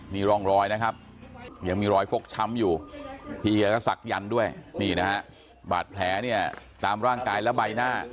นี่ร่องรอยนะครับยังมีรอยฟกช้ำอยู่พี่แกก็ศักดันด้วยนี่นะฮะบาดแผลเนี่ยตามร่างกายและใบหน้า